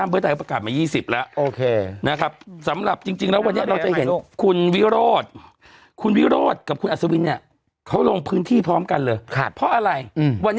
เพื่อไทยเอาประกาศมา๒๐แล้วนะคับอ๋อนะครับสำหรับจริงแล้วบันไดเราจะเห็น